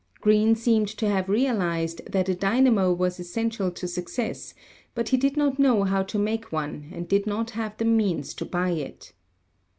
Greene seemed to have realized that a dynamo was essential to success, but he did not know how to make one and did not have the means to buy it.